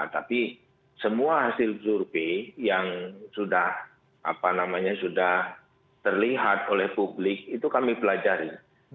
tapi semua hasil survei yang sudah terlihat oleh publik itu kami pelajari